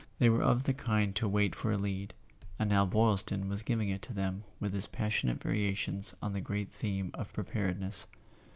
They were of the kind to wait for a lead—and now Boylston was giving it to them with his passionate variations on the great theme of Preparedness.